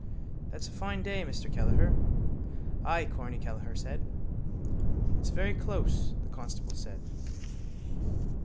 —That's a fine day, Mr Kelleher. —Ay, Corny Kelleher said. —It's very close, the constable said.